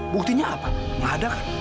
buktinya apa nggak ada